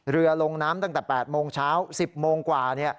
ลงน้ำตั้งแต่๘โมงเช้า๑๐โมงกว่า